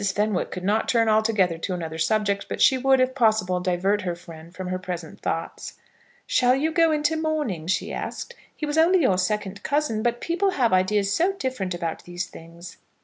Fenwick could not turn altogether to another subject, but she would, if possible, divert her friend from her present thoughts. "Shall you go into mourning?" she asked; "he was only your second cousin; but people have ideas so different about those things."